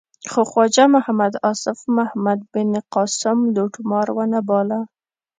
خو خواجه محمد آصف محمد بن قاسم لوټمار و نه باله.